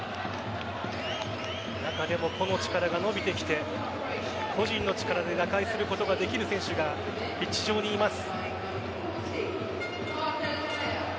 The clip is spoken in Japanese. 中でも個の力が伸びてきて個人の力で打開することができる選手がピッチ上にいます。